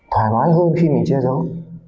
thoải mái hơn khi mình che giấu